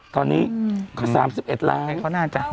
ตอนนี้๓๑ล้านเขาน่าจะ